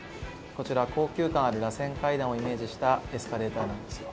こちら高級感ある螺旋階段をイメージしたエスカレーターなんですよ。